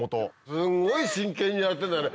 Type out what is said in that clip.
すごい真剣にやってたよね。